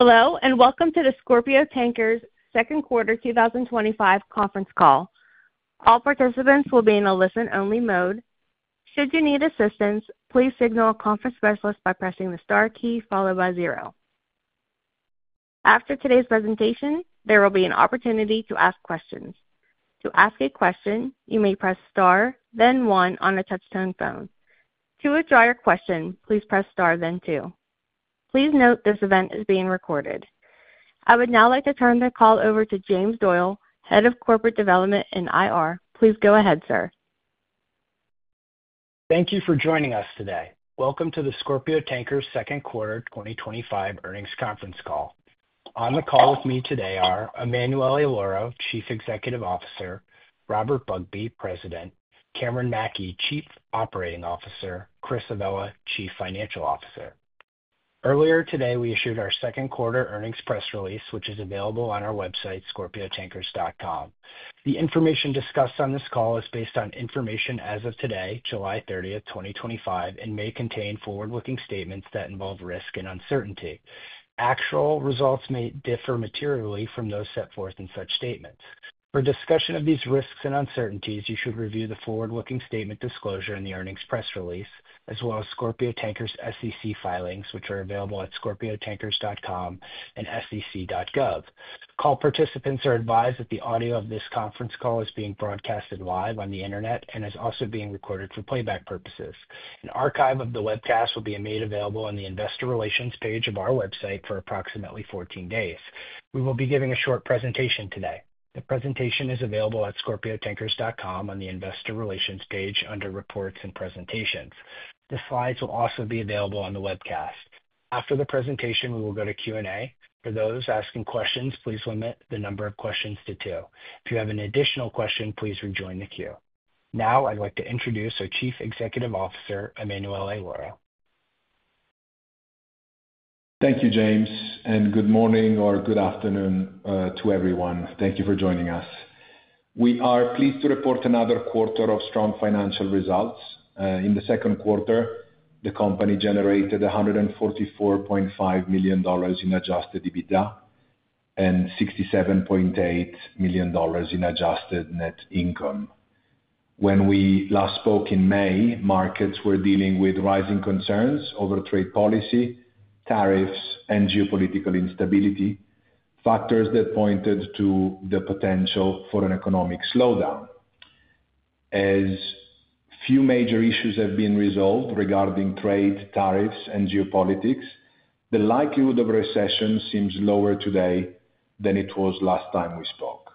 Hello, and welcome to the Scorpio Tankers Second Quarter 2025 Conference Call. All participants will be in a listen-only mode. Should you need assistance, please signal a conference specialist by pressing the star key followed by zero. After today's presentation, there will be an opportunity to ask questions. To ask a question, you may press star, then one on a touch-tone phone. To withdraw your question, please press star, then two. Please note this event is being recorded. I would now like to turn the call over to James Doyle, Head of Corporate Development and IR. Please go ahead, sir. Thank you for joining us today. Welcome to the Scorpio Tankers Second Quarter 2025 Earnings Conference Call. On the call with me today are Emanuele Lauro, Chief Executive Officer, Robert Bugbee, President, Cameron Mackey, Chief Operating Officer, and Chris Avella, Chief Financial Officer. Earlier today, we issued our second quarter earnings press release, which is available on our website, scorpiotankers.com. The information discussed on this call is based on information as of today, July 30th, 2025, and may contain forward-looking statements that involve risk and uncertainty. Actual results may differ materially from those set forth in such statements. For discussion of these risks and uncertainties, you should review the forward-looking statement disclosure in the earnings press release, as well as Scorpio Tankers SEC filings, which are available at scorpiotankers.com and sec.gov. Call participants are advised that the audio of this conference call is being broadcast live on the internet and is also being recorded for playback purposes. An archive of the webcast will be made available on the investor relations page of our website for approximately 14 days. We will be giving a short presentation today. The presentation is available at scorpiotankers.com on the investor relations page under reports and presentations. The slides will also be available on the webcast. After the presentation, we will go to Q&A. For those asking questions, please limit the number of questions to two. If you have an additional question, please rejoin the queue. Now, I'd like to introduce our Chief Executive Officer, Emanuele Lauro. Thank you, James, and good morning or good afternoon to everyone. Thank you for joining us. We are pleased to report another quarter of strong financial results. In the second quarter, the company generated $144.5 million in adjusted EBITDA and $67.8 million in adjusted net income. When we last spoke in May, markets were dealing with rising concerns over trade policy, tariffs, and geopolitical instability, factors that pointed to the potential for an economic slowdown. As few major issues have been resolved regarding trade, tariffs, and geopolitics, the likelihood of a recession seems lower today than it was last time we spoke.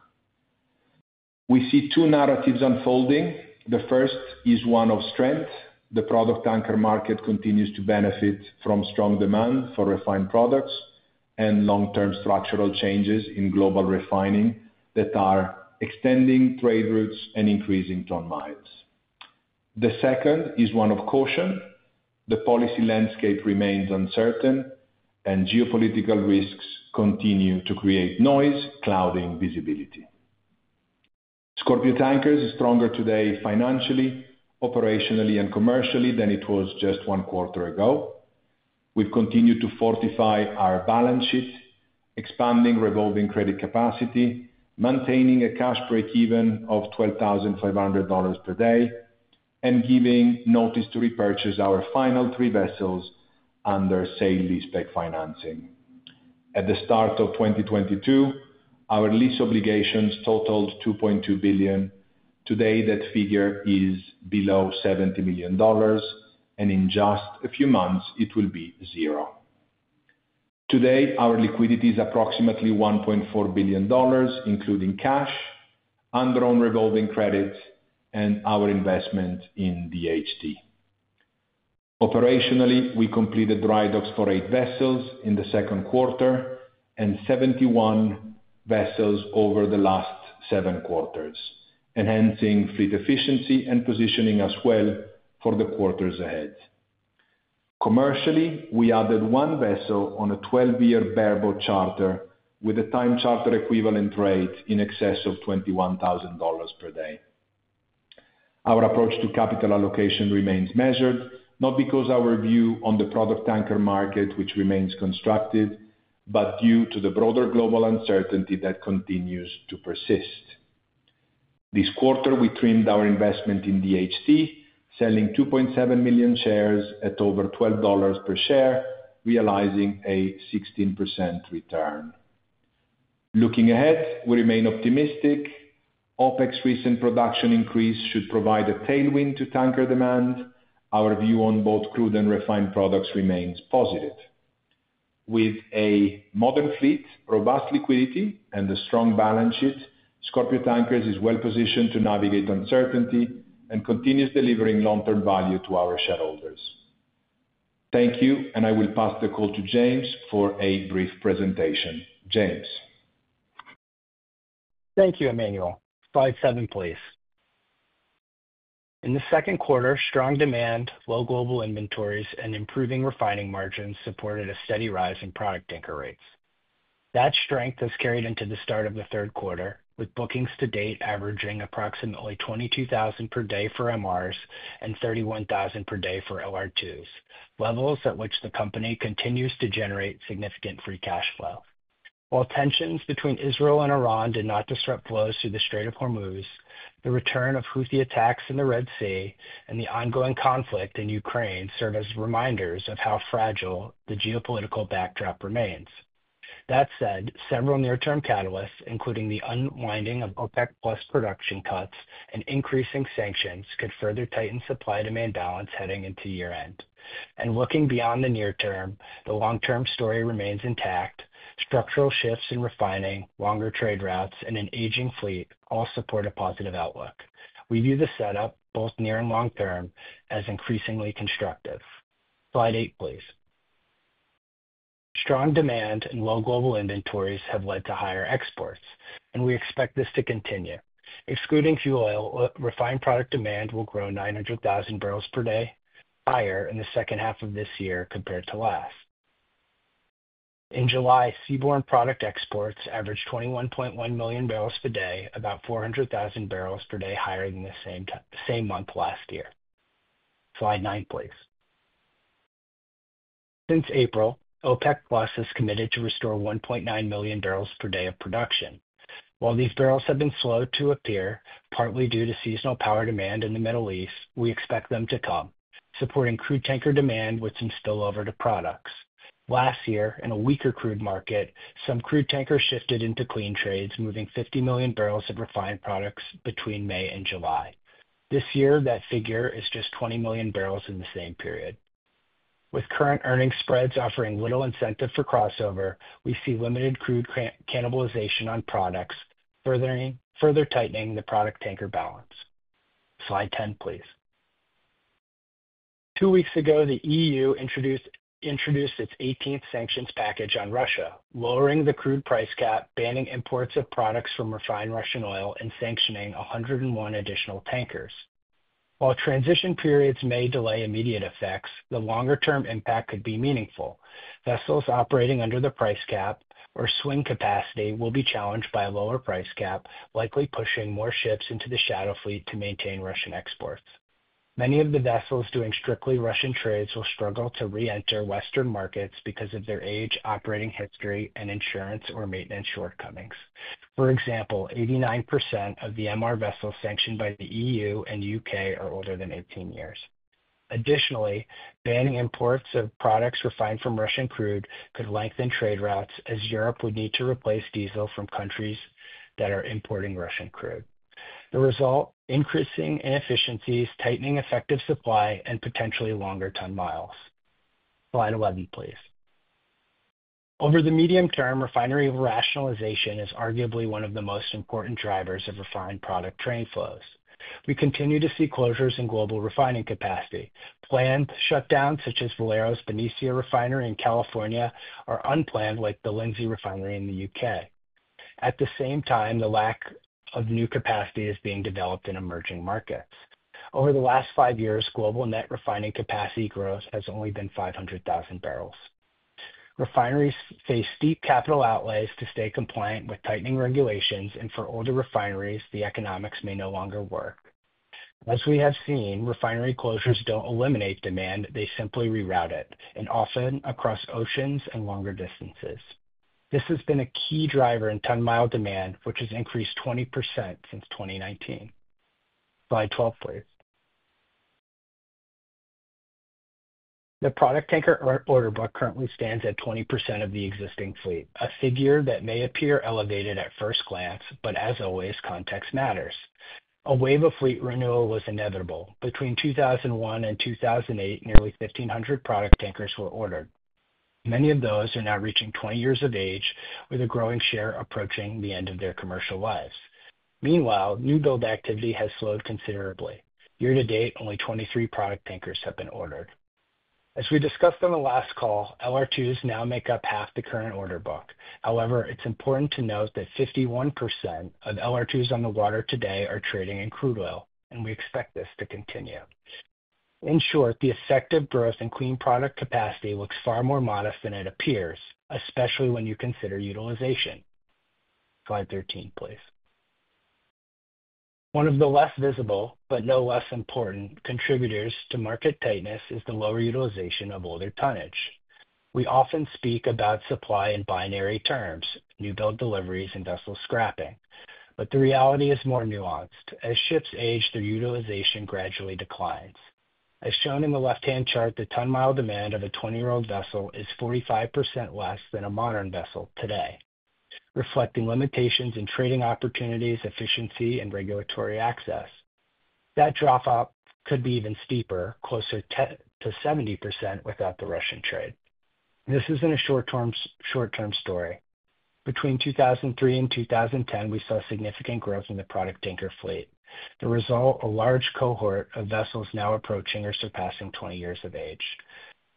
We see two narratives unfolding. The first is one of strength. The product tanker market continues to benefit from strong demand for refined products and long-term structural changes in global refining that are extending trade routes and increasing tonne miles. The second is one of caution. The policy landscape remains uncertain, and geopolitical risks continue to create noise, clouding visibility. Scorpio Tankers is stronger today financially, operationally, and commercially than it was just one quarter ago. We've continued to fortify our balance sheet, expanding revolving credit capacity, maintaining a cash breakeven of $12,500 per day, and giving notice to repurchase our final three vessels under sale leaseback financing. At the start of 2022, our lease obligations totaled $2.2 billion. Today, that figure is below $70 million, and in just a few months, it will be zero. Today, our liquidity is approximately $1.4 billion, including cash, underwritten revolving credits, and our investment in DHT. Operationally, we completed drydocks for eight vessels in the second quarter and 71 vessels over the last seven quarters, enhancing fleet efficiency and positioning us well for the quarters ahead. Commercially, we added one vessel on a 12-year bareboat charter with a time charter equivalent rate in excess of $21,000 per day. Our approach to capital allocation remains measured, not because of our view on the product tanker market, which remains constructive, but due to the broader global uncertainty that continues to persist. This quarter, we trimmed our investment in DHT, selling 2.7 million shares at over $12 per share, realizing a 16% return. Looking ahead, we remain optimistic. OPEC recent production increase should provide a tailwind to tanker demand. Our view on both crude and refined products remains positive. With a modern fleet, robust liquidity, and a strong balance sheet, Scorpio Tankers is well-positioned to navigate uncertainty and continues delivering long-term value to our shareholders. Thank you, and I will pass the call to James for a brief presentation. James. Thank you, Emanuele. Slide seven, please. In the second quarter, strong demand, low global inventories, and improving refining margins supported a steady rise in product tanker rates. That strength has carried into the start of the third quarter, with bookings to date averaging approximately $22,000 per day for MRs and $31,000 per day for LR2s, levels at which the company continues to generate significant free cash flow. While tensions between Israel and Iran did not disrupt flows through the Strait of Hormuz, the return of Houthi attacks in the Red Sea and the ongoing conflict in U.K.raine serve as reminders of how fragile the geopolitical backdrop remains. That said, several near-term catalysts, including the unwinding of OPEC+ production cuts and increasing sanctions, could further tighten supply-demand balance heading into year-end. Looking beyond the near term, the long-term story remains intact. Structural shifts in refining, longer trade routes, and an aging fleet all support a positive outlook. We view the setup, both near and long term, as increasingly constructive. Slide eight, please. Strong demand and low global inventories have led to higher exports, and we expect this to continue. Excluding fuel oil, refined product demand will grow 900,000 barrels per day higher in the second half of this year compared to last. In July, seaborne product exports averaged 21.1 million barrels per day, about 400,000 barrels per day higher than the same month last year. Slide nine, please. Since April, OPEC+ has committed to restore 1.9 million barrels per day of production. While these barrels have been slow to appear, partly due to seasonal power demand in the Middle East, we expect them to come, supporting crude tanker demand with some spillover to products. Last year, in a weaker crude market, some crude tankers shifted into clean trades, moving 50 million barrels of refined products between May and July. This year, that figure is just 20 million barrels in the same period. With current earnings spreads offering little incentive for crossover, we see limited crude cannibalization on products, further tightening the product tanker balance. Slide 10, please. Two weeks ago, the EU introduced its 18th sanctions package on Russia, lowering the crude price cap, banning imports of products from refined Russian oil, and sanctioning 101 additional tankers. While transition periods may delay immediate effects, the longer-term impact could be meaningful. Vessels operating under the price cap or swing capacity will be challenged by a lower price cap, likely pushing more ships into the shadow fleet to maintain Russian exports. Many of the vessels doing strictly Russian trades will struggle to re-enter Western markets because of their age, operating history, and insurance or maintenance shortcomings. For example, 89% of the MR vessels sanctioned by the EU and U.K. are older than 18 years. Additionally, banning imports of products refined from Russian crude could lengthen trade routes, as Europe would need to replace diesel from countries that are importing Russian crude. The result: increasing inefficiencies, tightening effective supply, and potentially longer tonne miles. Slide 11, please. Over the medium term, refinery rationalization is arguably one of the most important drivers of refined product trade flows. We continue to see closures in global refining capacity. Planned shutdowns, such as Valero's Benicia refinery in California, are unplanned, like the Lindsey refinery in the U.K. At the same time, the lack of new capacity is being developed in emerging markets. Over the last five years, global net refining capacity growth has only been 500,000 barrels. Refineries face steep capital outlays to stay compliant with tightening regulations, and for older refineries, the economics may no longer work. As we have seen, refinery closures don't eliminate demand; they simply reroute it, and often across oceans and longer distances. This has been a key driver in tonne mile demand, which has increased 20% since 2019. Slide 12, please. The product tanker order book currently stands at 20% of the existing fleet, a figure that may appear elevated at first glance, but as always, context matters. A wave of fleet renewal was inevitable. Between 2001 and 2008, nearly 1,500 product tankers were ordered. Many of those are now reaching 20 years of age, with a growing share approaching the end of their commercial lives. Meanwhile, new build activity has slowed considerably. Year-to-date, only 23 product tankers have been ordered. As we discussed on the last call, LR2s now make up half the current order book. However, it's important to note that 51% of LR2s on the water today are trading in crude oil, and we expect this to continue. In short, the effective growth in clean product capacity looks far more modest than it appears, especially when you consider utilization. Slide 13, please. One of the less visible, but no less important, contributors to market tightness is the lower utilization of older tonnage. We often speak about supply in binary terms: new build deliveries and vessel scrapping but the reality is more nuanced. As ships age, their utilization gradually declines. As shown in the left-hand chart, the tonne mile demand of a 20-year-old vessel is 45% less than a modern vessel today, reflecting limitations in trading opportunities, efficiency, and regulatory access. That drop-off could be even steeper, closer to 70% without the Russian trade. This isn't a short-term story. Between 2003 and 2010, we saw significant growth in the product tanker fleet. The result: a large cohort of vessels now approaching or surpassing 20 years of age.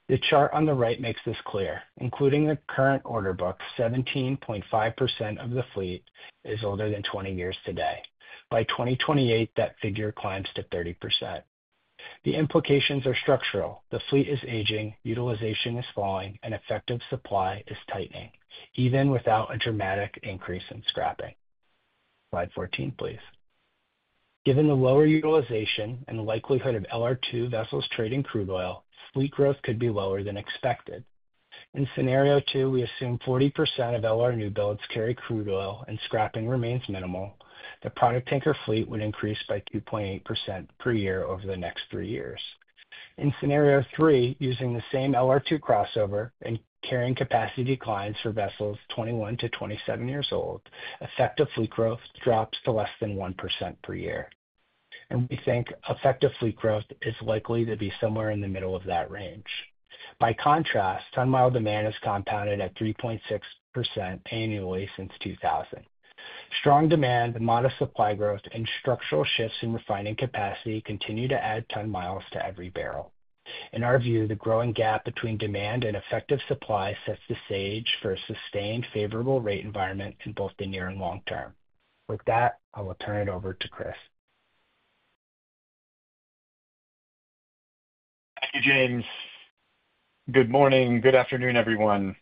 The chart on the right makes this clear. Including the current order book, 17.5% of the fleet is older than 20 years today. By 2028, that figure climbs to 30%. The implications are structural. The fleet is aging, utilization is falling, and effective supply is tightening, even without a dramatic increase in scrapping. Slide 14, please. Given the lower utilization and the likelihood of LR2 vessels trading crude oil, fleet growth could be lower than expected. In scenario two, we assume 40% of LR new builds carry crude oil, and scrapping remains minimal. The product tanker fleet would increase by 2.8% per year over the next three years. In scenario three, using the same LR2 crossover and carrying capacity declines for vessels 21 to 27 years old, effective fleet growth drops to less than 1% per year. We think effective fleet growth is likely to be somewhere in the middle of that range. By contrast, tonne mile demand has compounded at 3.6% annually since 2000. Strong demand, modest supply growth, and structural shifts in refining capacity continue to add tonne miles to every barrel. In our view, the growing gap between demand and effective supply sets the stage for a sustained, favorable rate environment in both the near and long term. With that, I will turn it over to Chris. Thank you, James. Good morning. Good afternoon, everyone.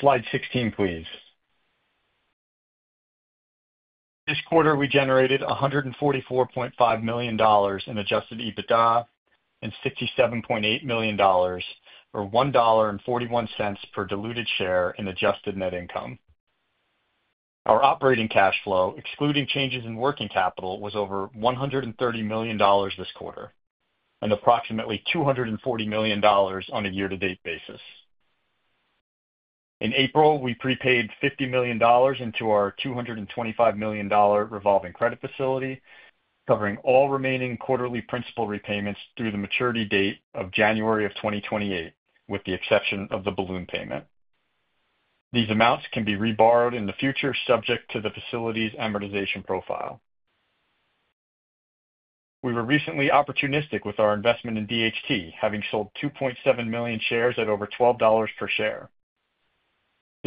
Slide 16, please. This quarter, we generated $144.5 million in adjusted EBITDA and $67.8 million or $1.41 per diluted share in adjusted net income. Our operating cash flow, excluding changes in working capital, was over $130 million this quarter and approximately $240 million on a year-to-date basis. In April, we prepaid $50 million into our $225 million revolving credit facility, covering all remaining quarterly principal repayments through the maturity date of January of 2028, with the exception of the balloon payment. These amounts can be reborrowed in the future, subject to the facility's amortization profile. We were recently opportunistic with our investment in DHT, having sold 2.7 million shares at over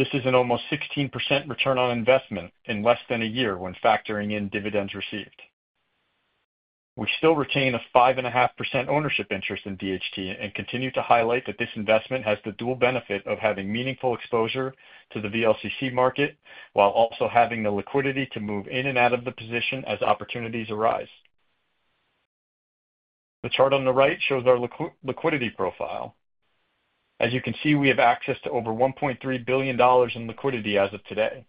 $12 per share. This is an almost 16% return on investment in less than a year when factoring in dividends received. We still retain a 5.5% ownership interest in DHT and continue to highlight that this investment has the dual benefit of having meaningful exposure to the VLCC market while also having the liquidity to move in and out of the position as opportunities arise. The chart on the right shows our liquidity profile. As you can see, we have access to over $1.3 billion in liquidity as of today.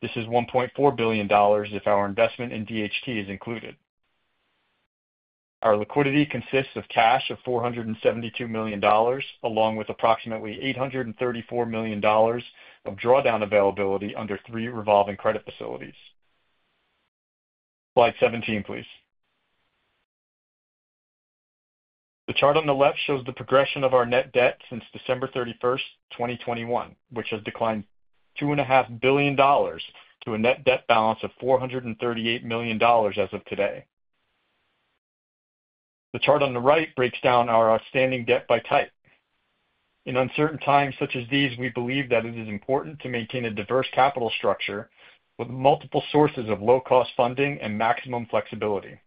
This is $1.4 billion if our investment in DHT is included. Our liquidity consists of cash of $472 million, along with approximately $834 million of drawdown availability under three revolving credit facilities. Slide 17, please. The chart on the left shows the progression of our net debt since December 31st, 2021, which has declined $2.5 billion to a net debt balance of $438 million as of today. The chart on the right breaks down our outstanding debt by type. In uncertain times such as these, we believe that it is important to maintain a diverse capital structure with multiple sources of low-cost funding and maximum flexibility.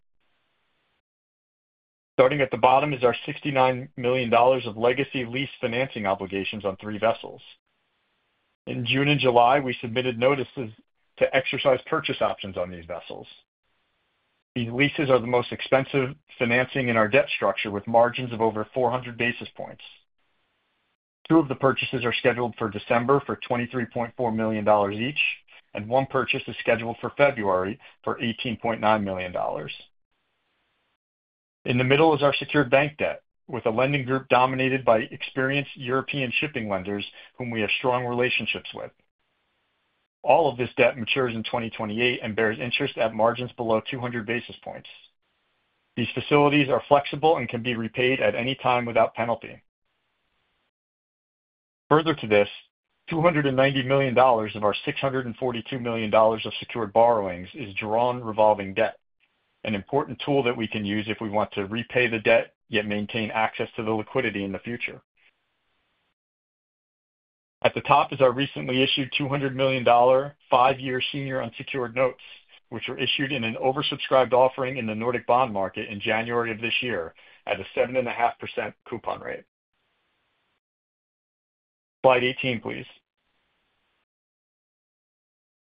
Starting at the bottom is our $69 million of legacy lease financing obligations on three vessels. In June and July, we submitted notices to exercise purchase options on these vessels. These leases are the most expensive financing in our debt structure, with margins of over 400 basis points. Two of the purchases are scheduled for December for $23.4 million each, and one purchase is scheduled for February for $18.9 million. In the middle is our secured bank debt, with a lending group dominated by experienced European shipping lenders whom we have strong relationships with. All of this debt matures in 2028 and bears interest at margins below 200 basis points. These facilities are flexible and can be repaid at any time without penalty. Further to this, $290 million of our $642 million of secured borrowings is drawn revolving debt, an important tool that we can use if we want to repay the debt yet maintain access to the liquidity in the future. At the top is our recently issued $200 million five-year senior unsecured notes, which were issued in an oversubscribed offering in the Nordic bond market in January of this year at a 7.5% coupon rate. Slide 18, please.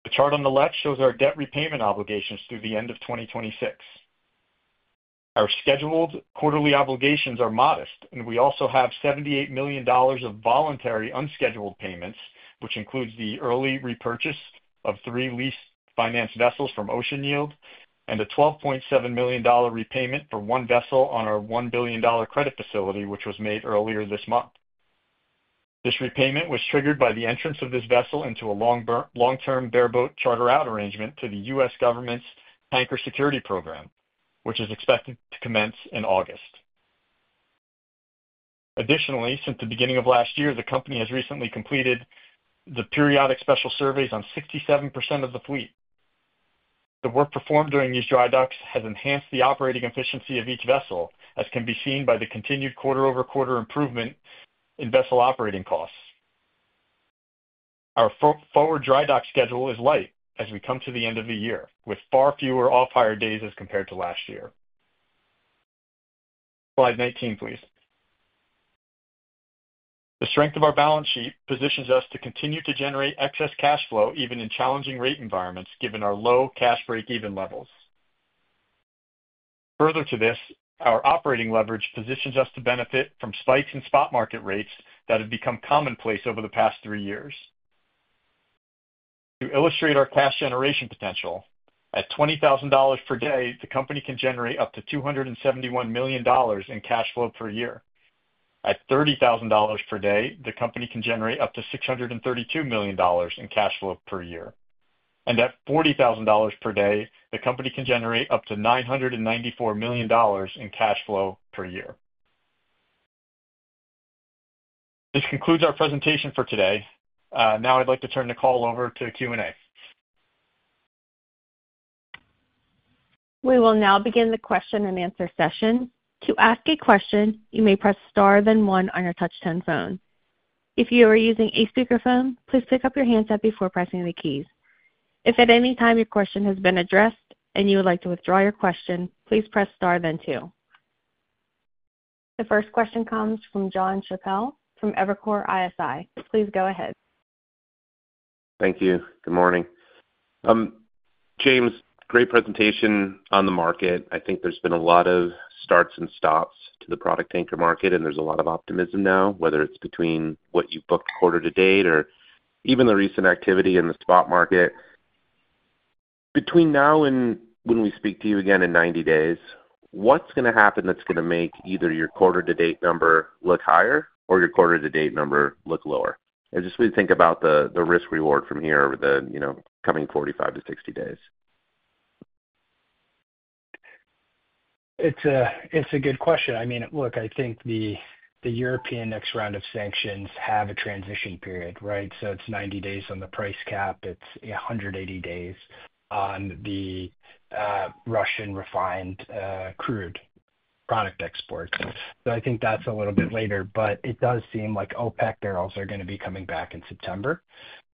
The chart on the left shows our debt repayment obligations through the end of 2026. Our scheduled quarterly obligations are modest, and we also have $78 million of voluntary unscheduled payments, which includes the early repurchase of three lease-financed vessels from Ocean Yield and a $12.7 million repayment for one vessel on our $1 billion credit facility, which was made earlier this month. This repayment was triggered by the entrance of this vessel into a long-term bareboat charter-out arrangement to the U.S. government's Tanker Security Program, which is expected to commence in August. Additionally, since the beginning of last year, the company has recently completed the periodic special surveys on 67% of the fleet. The work performed during these drydocks has enhanced the operating efficiency of each vessel, as can be seen by the continued quarter-over-quarter improvement in vessel operating costs. Our forward drydock schedule is light as we come to the end of the year, with far fewer off-hire days as compared to last year. Slide 19, please. The strength of our balance sheet positions us to continue to generate excess cash flow, even in challenging rate environments, given our low cash breakeven levels. Further to this, our operating leverage positions us to benefit from spikes in spot market rates that have become commonplace over the past three years. To illustrate our cash generation potential, at $20,000 per day, the company can generate up to $271 million in cash flow per year. At $30,000 per day, the company can generate up to $632 million in cash flow per year. At $40,000 per day, the company can generate up to $994 million in cash flow per year. This concludes our presentation for today. Now I'd like to turn the call over to Q&A. We will now begin the question and answer session. To ask a question, you may press star then one on your touch-tone phone. If you are using a speakerphone, please pick up your handset before pressing the keys. If at any time your question has been addressed and you would like to withdraw your question, please press star then two. The first question comes from Jonathan Chappell from Evercore ISI. Please go ahead. Thank you. Good morning. James, great presentation on the market. I think there's been a lot of starts and stops to the product tanker market, and there's a lot of optimism now, whether it's between what you booked quarter-to-date or even the recent activity in the spot market. Between now and when we speak to you again in 90 days, what's going to happen that's going to make either your quarter-to-date number look higher or your quarter-to-date number look lower? We think about the risk-reward from here over the coming 45 to 60 days. It's a good question. I mean, look, I think the European next round of sanctions have a transition period, right? It's 90 days on the price cap. It's 180 days on the Russian refined crude product exports. I think that's a little bit later, but it does seem like OPEC barrels are going to be coming back in September.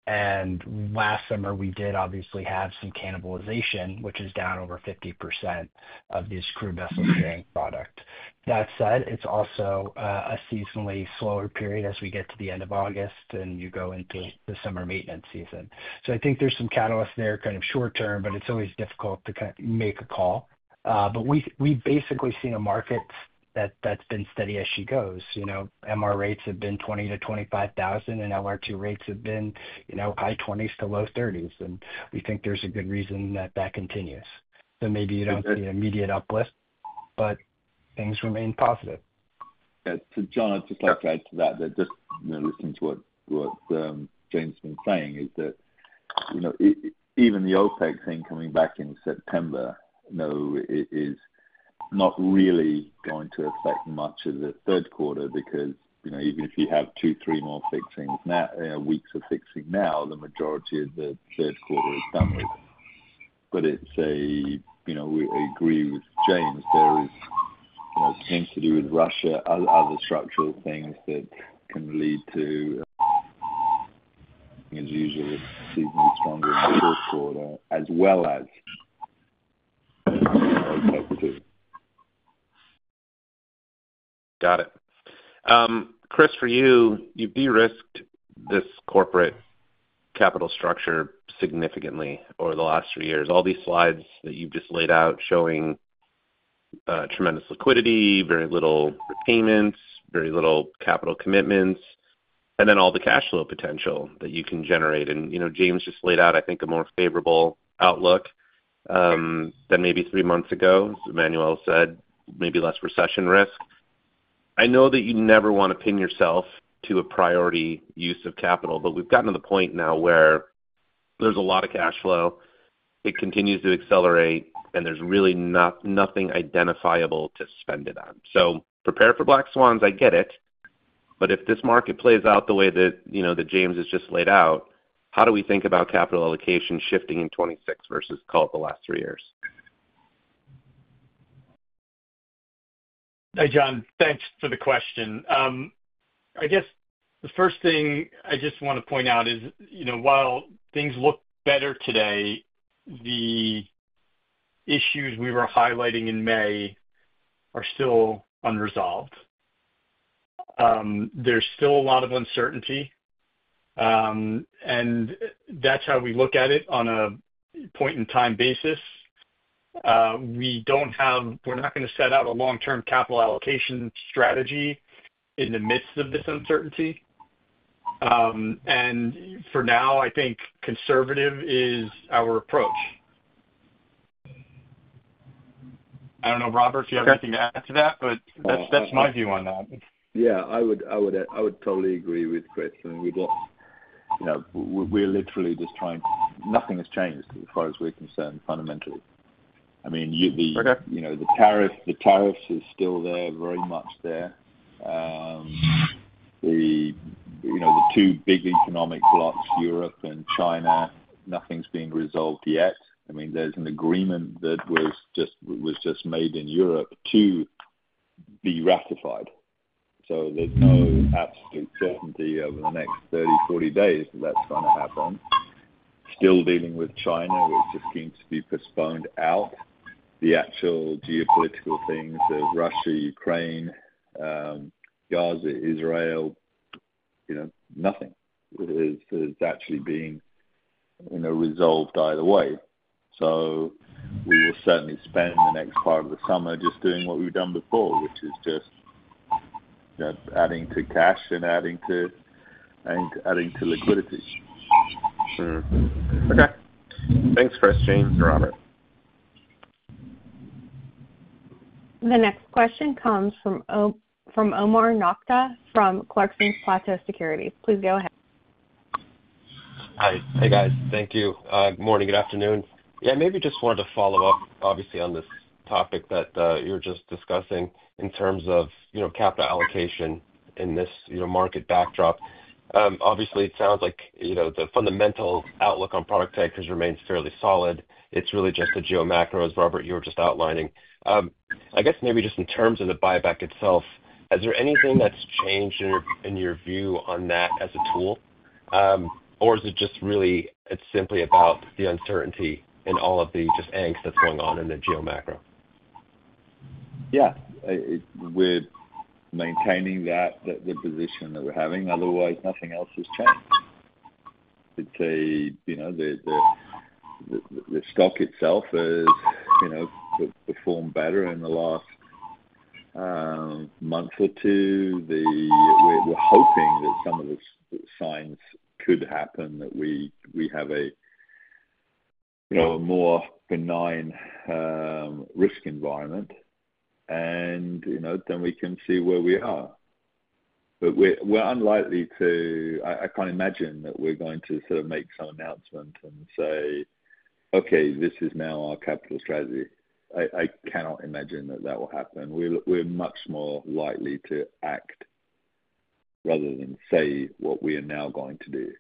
Last summer, we did obviously have some cannibalization, which is down over 50% of these crude vessels carrying product. That said, it's also a seasonally slower period as we get to the end of August and you go into the summer maintenance season. I think there's some catalysts there, kind of short-term, but it's always difficult to kind of make a call. We've basically seen a market that's been steady as she goes. You know, MR rates have been $20,000 to $25,000, and LR2 rates have been high $20,000s to low $30,000s. We think there's a good reason that that continues. Maybe you don't see an immediate uplift, but things remain positive. Yeah. John, I'd just like to add to that, just listening to what James has been saying, is that, you know, even the OPEC thing coming back in September is not really going to affect much of the third quarter because, you know, even if you have two, three more fixings now, weeks of fixing now, the majority of the third quarter is done with. We agree with James, there is, you know, things to do with Russia, other structural things that can lead to, as usual, a seasonally stronger fourth quarter, as well as OPEC too. Got it. Chris, for you, you've de-risked this corporate capital structure significantly over the last three years. All these slides that you've just laid out showing tremendous liquidity, very little repayments, very little capital commitments, and then all the cash flow potential that you can generate. James just laid out, I think, a more favorable outlook than maybe three months ago. As Emanuele said, maybe less recession risk. I know that you never want to pin yourself to a priority use of capital, but we've gotten to the point now where there's a lot of cash flow. It continues to accelerate, and there's really nothing identifiable to spend it on. Prepare for black swans, I get it. If this market plays out the way that James has just laid out, how do we think about capital allocation shifting in 2026 versus, call it, the last three years? Hi, John. Thanks for the question. I guess the first thing I just want to point out is, you know, while things look better today, the issues we were highlighting in May are still unresolved. There's still a lot of uncertainty. That's how we look at it on a point-in-time basis. We don't have, we're not going to set out a long-term capital allocation strategy in the midst of this uncertainty. For now, I think conservative is our approach. I don't know, Robert, if you have anything to add to that, but that's my view on that. Yeah, I would totally agree with Chris. We've lost, you know, we're literally just trying to, nothing has changed as far as we're concerned, fundamentally. I mean, you know, the tariff is still there, very much there. The two big economic blocs, Europe and China, nothing's been resolved yet. I mean, there's an agreement that was just made in Europe to be ratified. There's no absolute certainty over the next 30, 40 days that that's going to happen. Still dealing with China, which just seems to be postponed out. The actual geopolitical things of Russia, U.K.raine, Gaza, Israel, nothing is actually being resolved either way. We will certainly spend the next part of the summer just doing what we've done before, which is just, you know, adding to cash and adding to liquidity. Okay. Thanks, Chris, James, and Robert. The next question comes from Omar Nokta from Clarkson Platou Securities. Please go ahead. Hi. Hey, guys. Thank you. Good morning. Good afternoon. Maybe just wanted to follow up, obviously, on this topic that you're just discussing in terms of, you know, capital allocation in this market backdrop. Obviously, it sounds like the fundamental outlook on product tankers remains fairly solid. It's really just the geo macro, as Robert, you were just outlining. I guess maybe just in terms of the buyback itself, is there anything that's changed in your view on that as a tool, or is it just really, it's simply about the uncertainty and all of the just angst that's going on in the geo macro? Yeah. We're maintaining that position that we're having. Otherwise, nothing else has changed. The stock itself has performed better in the last month or two. We're hoping that some of the signs could happen that we have a more benign risk environment. You know, then we can see where we are. We're unlikely to, I can't imagine that we're going to sort of make some announcement and say, Okay, this is now our capital strategy. I cannot imagine that that will happen. We're much more likely to act rather than say what we are now going to do.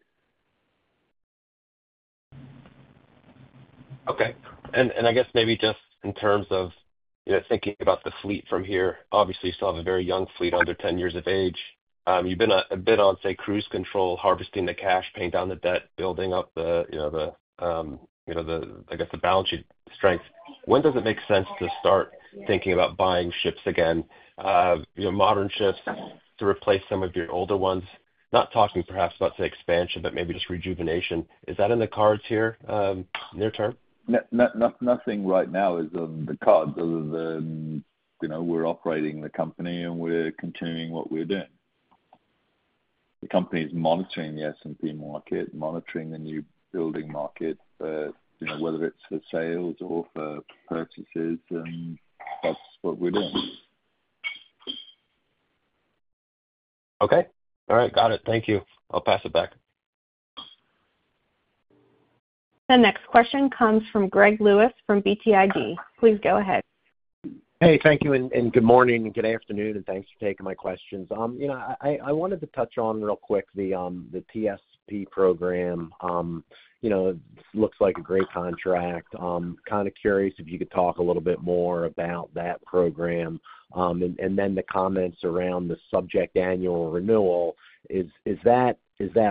Okay. I guess maybe just in terms of thinking about the fleet from here, obviously, you still have a very young fleet under 10 years of age. You've been a bit on, say, cruise control, harvesting the cash, paying down the debt, building up the balance sheet strength. When does it make sense to start thinking about buying ships again, you know, modern ships to replace some of your older ones? Not talking perhaps about, say, expansion, but maybe just rejuvenation. Is that in the cards here near term? Nothing right now is on the cards other than, you know, we're operating the company and we're continuing what we're doing. The company is monitoring the S&P activity, monitoring the newbuilding market, you know, whether it's for sales or for purchases, and that's what we're doing. Okay. All right. Got it. Thank you. I'll pass it back. The next question comes from Greg Lewis from BTIG. Please go ahead. Hey, thank you. Good morning and good afternoon, and thanks for taking my questions. I wanted to touch on real quick the TSP program. It looks like a great contract. Kind of curious if you could talk a little bit more about that program. The comments around the subject annual renewal, is that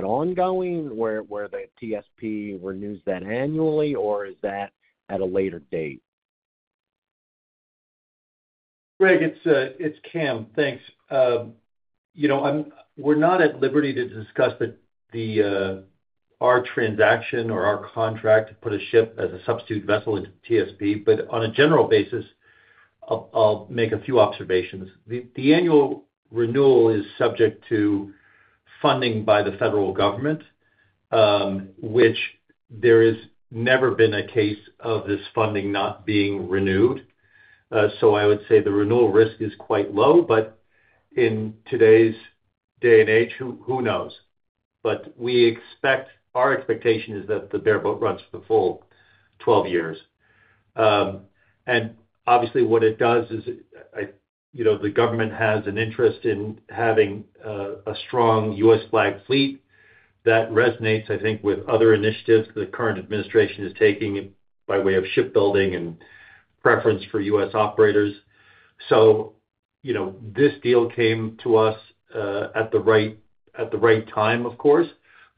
ongoing where the TSP renews that annually, or is that at a later date? Greg, it's Cam. Thanks. We're not at liberty to discuss our transaction or our contract to put a ship as a substitute vessel into the TSP, but on a general basis, I'll make a few observations. The annual renewal is subject to funding by the federal government, which there has never been a case of this funding not being renewed. I would say the renewal risk is quite low, but in today's day and age, who knows? Our expectation is that the bareboat runs for the full 12 years. Obviously, what it does is the government has an interest in having a strong U.S. flag fleet that resonates, I think, with other initiatives the current administration is taking by way of shipbuilding and preference for U.S. operators. This deal came to us at the right time, of course,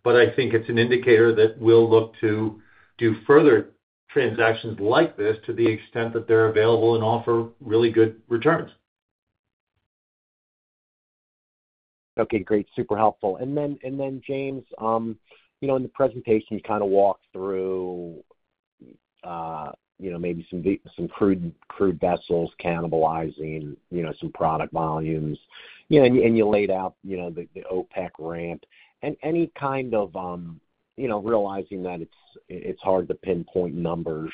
but I think it's an indicator that we'll look to do further transactions like this to the extent that they're available and offer really good returns. Okay, great. Super helpful. James, in the presentation, you kind of walked through maybe some crude vessels cannibalizing some product volumes. You laid out the OPEC ramp and any kind of, realizing that it's hard to pinpoint numbers,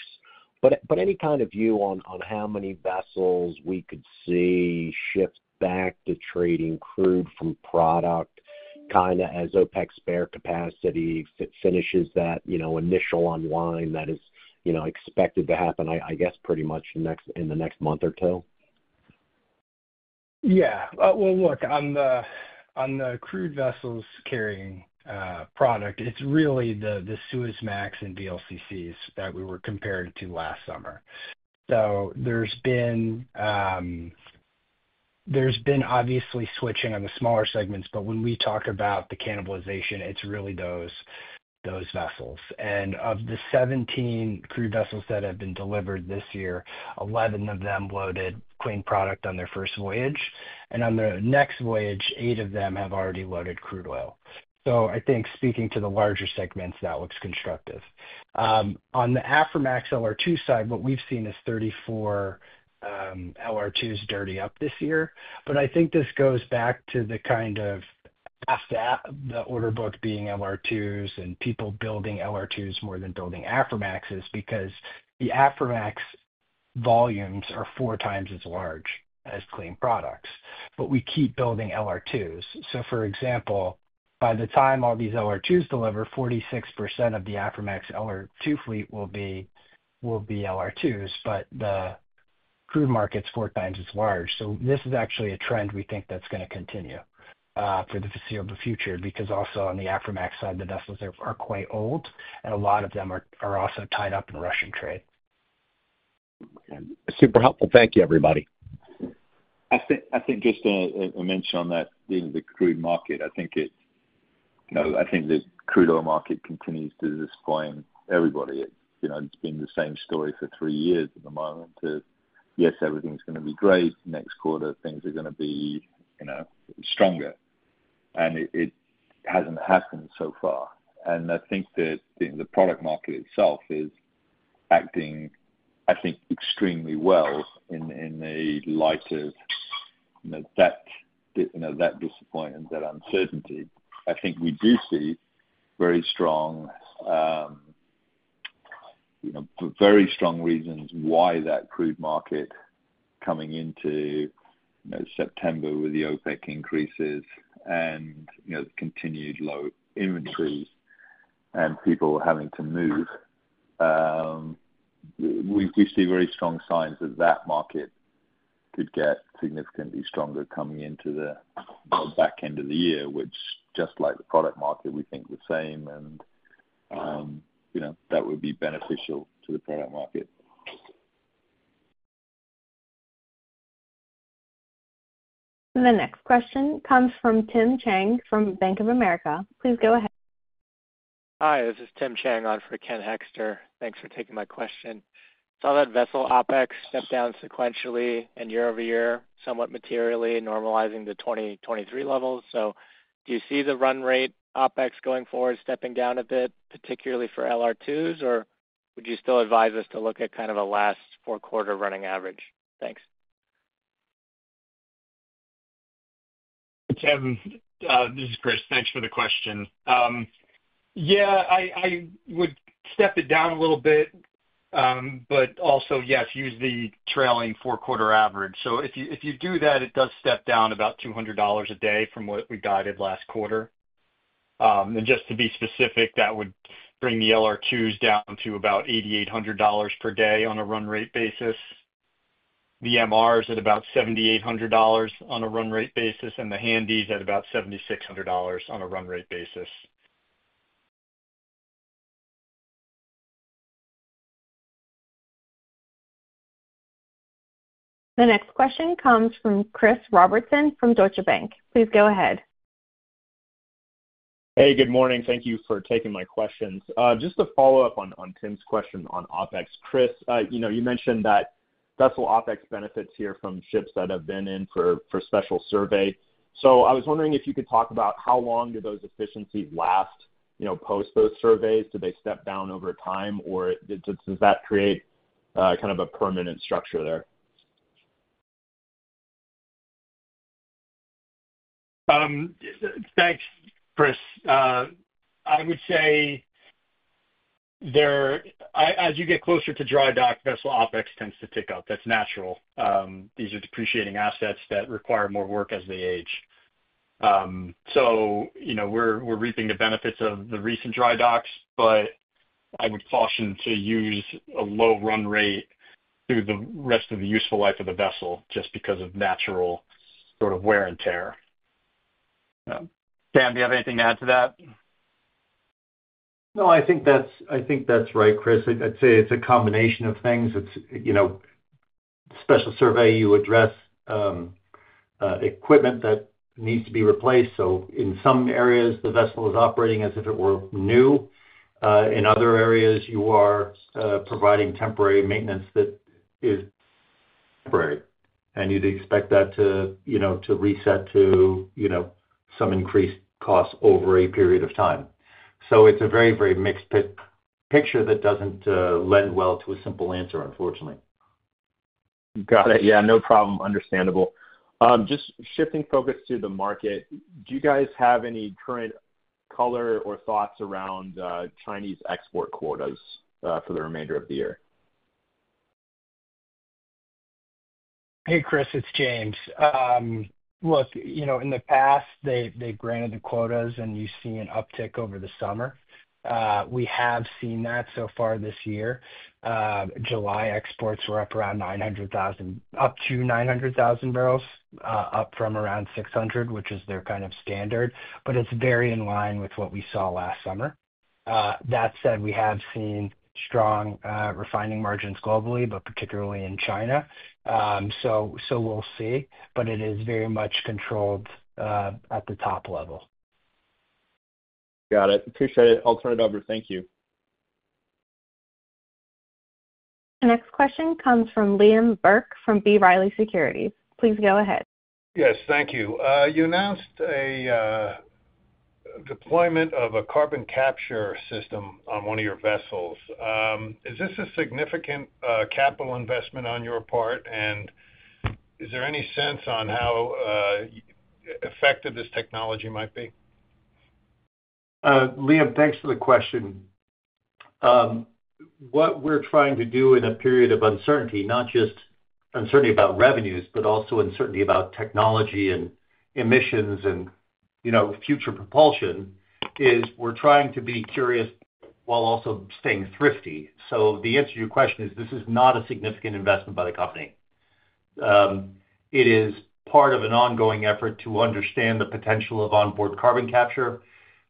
but any kind of view on how many vessels we could see shift back to trading crude from product, as OPEC spare capacity finishes that initial unwind that is expected to happen, I guess, pretty much in the next month or two? On the crude vessels carrying product, it's really the Suezmax and VLCCs that we were compared to last summer. There's been switching on the smaller segments, but when we talk about the cannibalization, it's really those vessels. Of the 17 crude vessels that have been delivered this year, 11 of them loaded clean product on their first voyage. On the next voyage, eight of them have already loaded crude oil. Speaking to the larger segments, that looks constructive. On the Aframax LR2 side, what we've seen is 34 LR2s dirty up this year. I think this goes back to the kind of the order book being LR2s and people building LR2s more than building Aframaxs because the Aframax volumes are 4x as large as clean products. We keep building LR2s. For example, by the time all these LR2s deliver, 46% of the Aframax LR2 fleet will be LR2s, but the crude market's 4x as large. This is actually a trend we think that's going to continue for the foreseeable future because also on the Aframax side, the vessels are quite old, and a lot of them are also tied up in Russian trade. Okay. Super helpful. Thank you, everybody. I think just a mention on that, you know, the crude market. I think the crude oil market continues to disappoint everybody. It's been the same story for three years at the moment, yes, everything's going to be great. Next quarter, things are going to be stronger. It hasn't happened so far. I think that the product market itself is acting extremely well in the light of that disappointment, that uncertainty. We do see very strong reasons why that crude market coming into September with the OPEC increases and the continued low inventories and people having to move. We see very strong signs that that market could get significantly stronger coming into the back end of the year, which, just like the product market, we think the same, and that would be beneficial to the product market. The next question comes from Tim Chang from Bank of America. Please go ahead. Hi, this is Tim Chang on for Ken Hoexter. Thanks for taking my question. Saw that vessel OpEx step down sequentially and year over year, somewhat materially normalizing to 2023 levels. Do you see the run rate OpEx going forward stepping down a bit, particularly for LR2s, or would you still advise us to look at kind of a last four-quarter running average? Thanks. Tim, this is Chris. Thanks for the question. Yes, I would step it down a little bit, but also, yes, use the trailing four-quarter average. If you do that, it does step down about $200 a day from what we guided last quarter. Just to be specific, that would bring the LR2s down to about $8,800 per day on a run rate basis, the MRs at about $7,800 on a run rate basis, and the Handys at about $7,600 on a run rate basis. The next question comes from Chris Robertson from Deutsche Bank. Please go ahead. Hey, good morning. Thank you for taking my questions. Just to follow up on Tim's question on OPEX, Chris, you know, you mentioned that vessel OPEX benefits here from ships that have been in for special survey. I was wondering if you could talk about how long do those efficiencies last, you know, post those surveys? Do they step down over time, or does that create kind of a permanent structure there? Thanks, Chris. I would say as you get closer to dry dock, vessel OpEx tends to tick up. That's natural. These are depreciating assets that require more work as they age. We're reaping the benefits of the recent dry dock, but I would caution to use a low run rate through the rest of the useful life of the vessel just because of natural sort of wear and tear. Cam, do you have anything to add to that? No, I think that's right, Chris. I'd say it's a combination of things. It's a special survey, you address equipment that needs to be replaced. In some areas, the vessel is operating as if it were new. In other areas, you are providing maintenance that is temporary. You'd expect that to reset to some increased cost over a period of time. It's a very mixed picture that doesn't lend well to a simple answer, unfortunately. Got it. Yeah, no problem. Understandable. Just shifting focus to the market, do you guys have any current color or thoughts around Chinese export quotas for the remainder of the year? Hey, Chris. It's James. In the past, they've granted the quotas, and you see an uptick over the summer. We have seen that so far this year. July exports were up around 900,000, up to 900,000 barrels, up from around 600,000, which is their kind of standard. It is very in line with what we saw last summer. That said, we have seen strong refining margins globally, particularly in China. We'll see. It is very much controlled at the top level. Got it. Appreciate it. I'll turn it over. Thank you. The next question comes from Liam Burke from B. Riley. Please go ahead. Yes, thank you. You announced a deployment of a carbon capture system on one of your vessels. Is this a significant capital investment on your part, and is there any sense on how effective this technology might be? Liam, thanks for the question. What we're trying to do in a period of uncertainty, not just uncertainty about revenues, but also uncertainty about technology and emissions and, you know, future propulsion, is we're trying to be curious while also staying thrifty. The answer to your question is this is not a significant investment by the company. It is part of an ongoing effort to understand the potential of onboard carbon capture,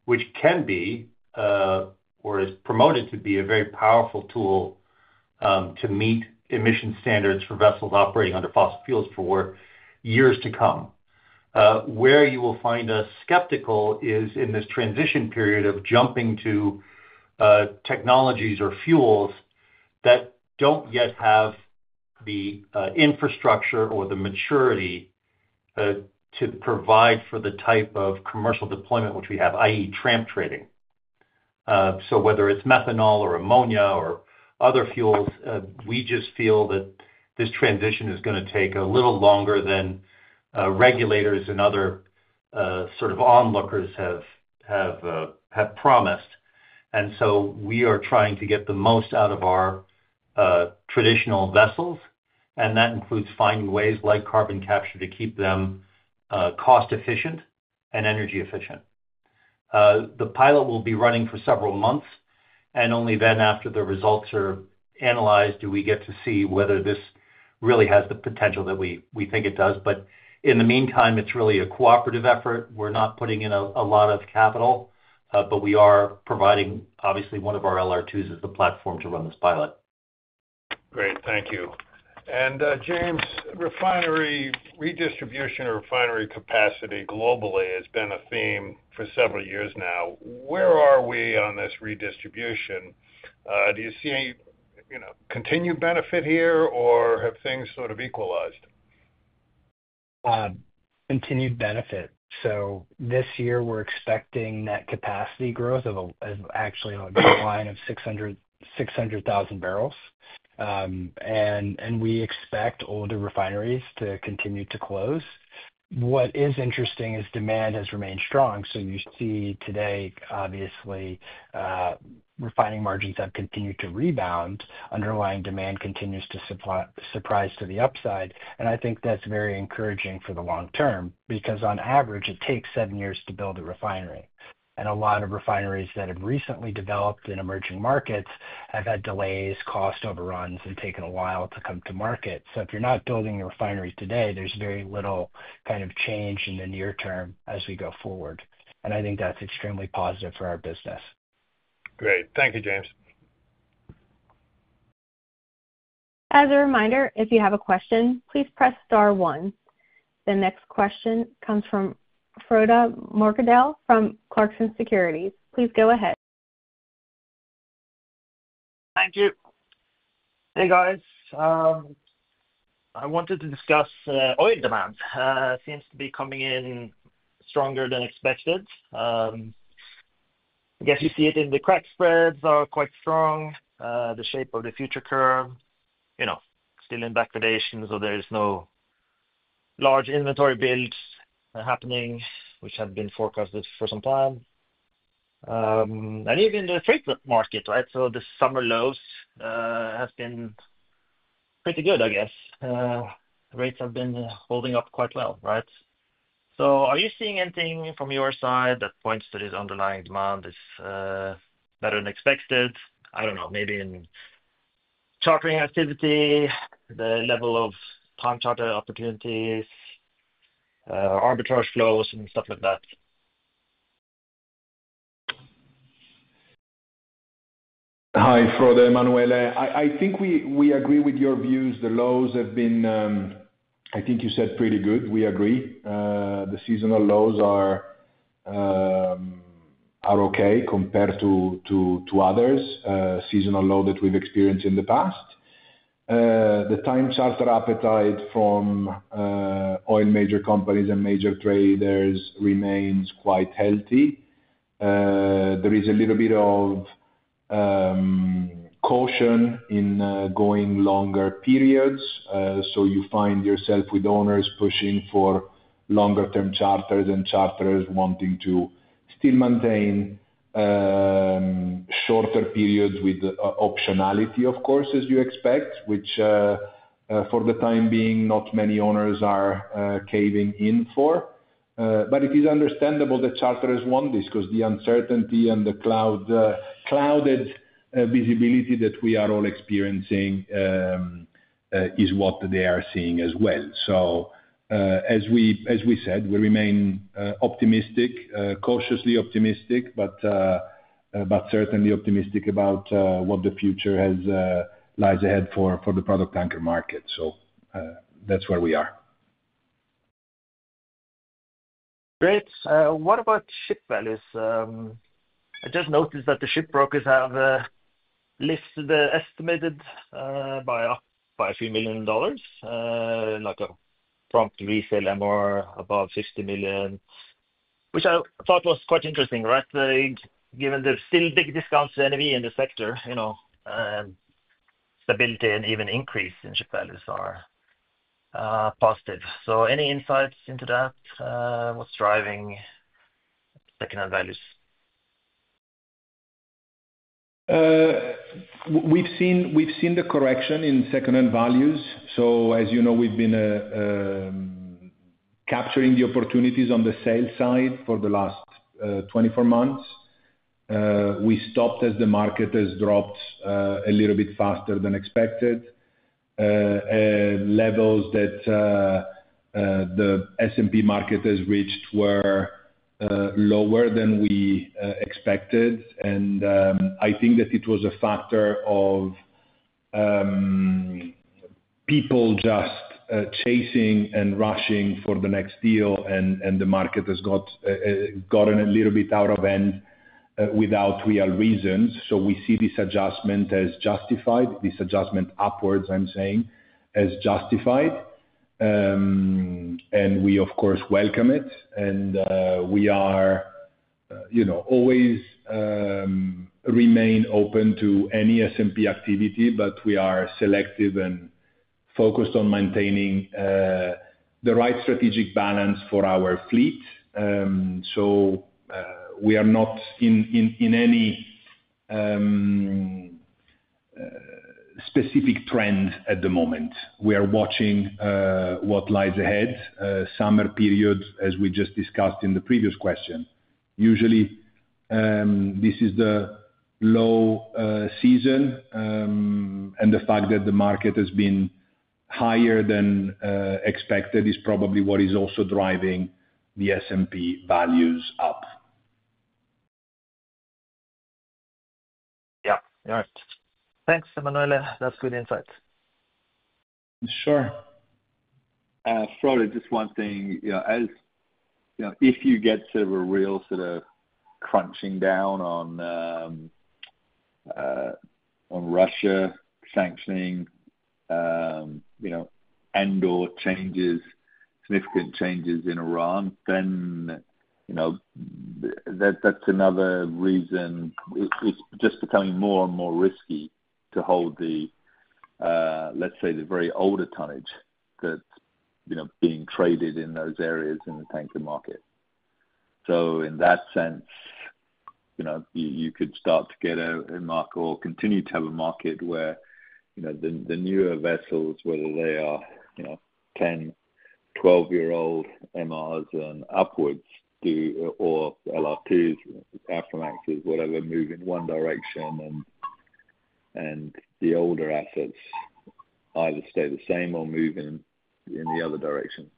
which can be or is promoted to be a very powerful tool to meet emission standards for vessels operating under fossil fuels for years to come. Where you will find us skeptical is in this transition period of jumping to technologies or fuels that don't yet have the infrastructure or the maturity to provide for the type of commercial deployment which we have, i.e., tramp trading. Whether it's methanol or ammonia or other fuels, we just feel that this transition is going to take a little longer than regulators and other sort of onlookers have promised. We are trying to get the most out of our traditional vessels, and that includes finding ways like carbon capture to keep them cost-efficient and energy-efficient. The pilot will be running for several months, and only then after the results are analyzed do we get to see whether this really has the potential that we think it does. In the meantime, it's really a cooperative effort. We're not putting in a lot of capital, but we are providing, obviously, one of our LR2s as the platform to run this pilot. Great. Thank you. James, refinery redistribution or refinery capacity globally has been a theme for several years now. Where are we on this redistribution? Do you see any continued benefit here, or have things sort of equalized? Continued benefit. This year, we're expecting net capacity growth of actually on a grid line of 600,000 barrels. We expect older refineries to continue to close. What is interesting is demand has remained strong. You see today, obviously, refining margins have continued to rebound. Underlying demand continues to surprise to the upside. I think that's very encouraging for the long term because on average, it takes seven years to build a refinery. A lot of refineries that have recently developed in emerging markets have had delays, cost overruns, and taken a while to come to market. If you're not building your refinery today, there's very little kind of change in the near term as we go forward. I think that's extremely positive for our business. Great. Thank you, James. As a reminder, if you have a question, please press star one. The next question comes from Frode Morkedal from Clarkson Securities. Please go ahead. Thank you. Hey, guys. I wanted to discuss oil demand. It seems to be coming in stronger than expected. I guess you see it in the crack spreads are quite strong. The shape of the future curve, you know, still in backwardation, so there is no large inventory builds happening, which have been forecasted for some time. Even in the freight market, right? The summer lows have been pretty good, I guess. Rates have been holding up quite well, right? Are you seeing anything from your side that points to this underlying demand? Is that unexpected? I don't know. Maybe in chartering activity, the level of time charter opportunities, arbitrage flows, and stuff like that. Hi, Frode. Emanuele. I think we agree with your views. The lows have been, I think you said, pretty good. We agree the seasonal lows are okay compared to others, seasonal low that we've experienced in the past. The time charter appetite from oil major companies and major traders remains quite healthy. There is a little bit of caution in going longer periods. You find yourself with owners pushing for longer-term charters and charters wanting to still maintain shorter periods with optionality, of course, as you expect, which for the time being, not many owners are caving in for. It is understandable that charters want this because the uncertainty and the clouded visibility that we are all experiencing is what they are seeing as well. As we said, we remain optimistic, cautiously optimistic, but certainly optimistic about what the future lies ahead for the product tanker market. That's where we are. Great. What about ship values? I just noticed that the ship brokers have lifted the estimated buyout by a few million dollars, like a prompt resale MR above $50 million, which I thought was quite interesting, right? Given there's still big discounts to NAV in the sector, you know, stability and even increase in ship values are positive. Any insights into that? What's driving second-hand values? We've seen the correction in second-hand values. As you know, we've been capturing the opportunities on the sale side for the last 24 months. We stopped as the market has dropped a little bit faster than expected. Levels that the S&P market has reached were lower than we expected. I think that it was a factor of people just chasing and rushing for the next deal, and the market has gotten a little bit out of hand without real reasons. We see this adjustment as justified, this adjustment upwards, I'm saying, as justified. We, of course, welcome it. We always remain open to any S&P activity, but we are selective and focused on maintaining the right strategic balance for our fleet. We are not in any specific trend at the moment. We are watching what lies ahead, summer period, as we just discussed in the previous question. Usually, this is the low season, and the fact that the market has been higher than expected is probably what is also driving the S&P values up. Yeah, all right. Thanks, Emanuele. That's good insights. Sure. Frode, just one thing. As you know, if you get sort of a real sort of crunching down on Russia sanctioning, and/or significant changes in Iran, then that's another reason. It's just becoming more and more risky to hold the, let's say, the very older tonnage that's being traded in those areas in the tanker market. In that sense, you could start to get a market or continue to have a market where the newer vessels, whether they are 10, 12-year-old MRs and upwards, or LR2s, Aframaxes, whatever, move in one direction, and the older assets either stay the same or move in the other direction.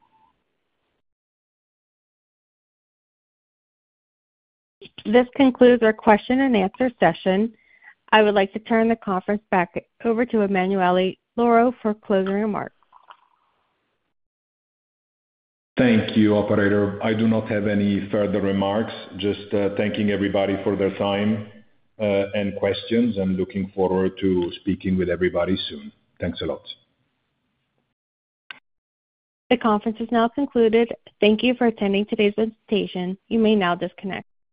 This concludes our question and answer session. I would like to turn the conference back over to Emanuele Lauro for closing remarks. Thank you, operator. I do not have any further remarks. Just thanking everybody for their time and questions, and looking forward to speaking with everybody soon. Thanks a lot. The conference is now concluded. Thank you for attending today's visitation. You may now disconnect.